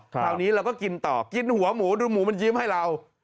คราวนี้เราก็กินต่อกินหัวหมูดูหมูมันยิ้มให้เรา